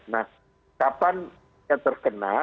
nah kapan yang terkena